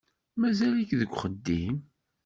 Mazal-ik deg uxeddim?